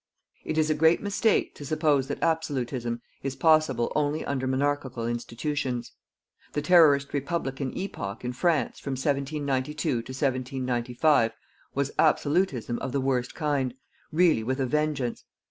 It is a great mistake to suppose that ABSOLUTISM is possible only under monarchical institutions. The terrorist republican epoch, in France, from 1792 to 1795, was ABSOLUTISM of the worst kind, really with a vengeance.